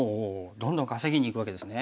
どんどん稼ぎにいくわけですね。